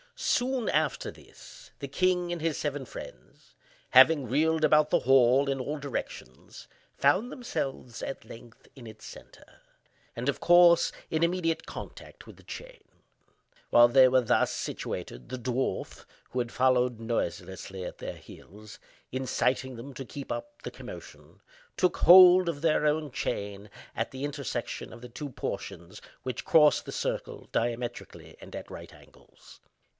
Soon after this, the king and his seven friends having reeled about the hall in all directions, found themselves, at length, in its centre, and, of course, in immediate contact with the chain. While they were thus situated, the dwarf, who had followed noiselessly at their heels, inciting them to keep up the commotion, took hold of their own chain at the intersection of the two portions which crossed the circle diametrically and at right angles.